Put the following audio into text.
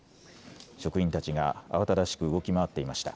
職員たちが慌ただしく動き回っていました。